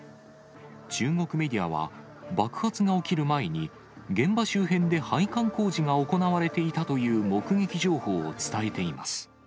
中国メディアは、爆発が起きる前に、現場周辺で配管工事が行われていたという目撃情報を伝えています。